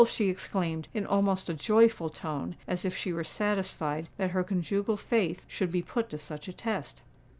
she exclaimed, in almost a joyful tone, as if she were satisfied that her conjugal faith should be put to such a test.